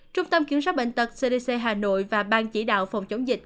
trung tâm kiểm soát bệnh tật cdc hà nội và ban chỉ đạo phòng chống dịch